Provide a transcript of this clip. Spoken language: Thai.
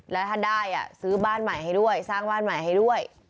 แล้วถ้าได้ซื้อบ้านใหม่ให้ด้วยสร้างบ้านใหม่ให้ด้วย